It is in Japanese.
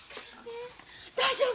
大丈夫？